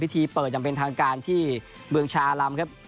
พิธีเปิดจำเป็นทางการที่เมืองชาลำครับ